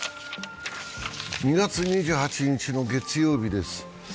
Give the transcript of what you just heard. ２月２８日の月曜日です。